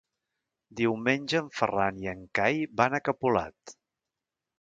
Diumenge en Ferran i en Cai van a Capolat.